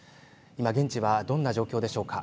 今現地はどんな状況でしょうか。